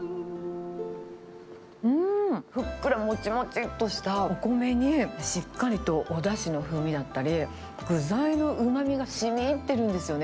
うーん、ふっくら、もちもちっとしたお米に、しっかりとおだしの風味だったり、具材のうまみがしみ入ってるんですよね。